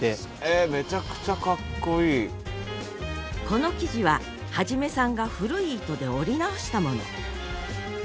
この生地は元さんが古い糸で織り直したもの。